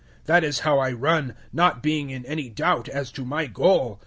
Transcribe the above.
009:026 That is how I run, not being in any doubt as to my goal.